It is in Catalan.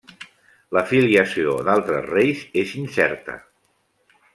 La filiació d'altres reis és incerta.